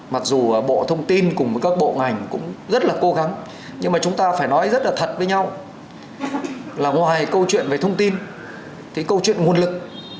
mặc dù bộ thông tin cùng với các bộ ngành cũng rất là cố gắng nhưng mà chúng ta phải nói rất là thật với nhau là ngoài câu chuyện về thông tin thì câu chuyện nguồn lực